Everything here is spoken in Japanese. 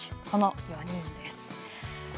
この４人です。